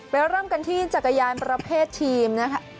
เริ่มกันที่จักรยานประเภททีมนะคะ